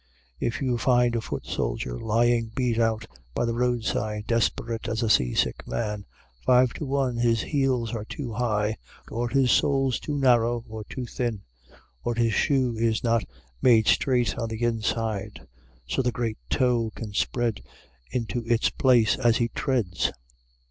If you find a foot soldier lying beat out by the roadside, desperate as a sea sick man, five to one his heels are too high, or his soles too narrow or too thin, or his shoe is not made straight on the inside, so the great toe can spread into its place as he treads.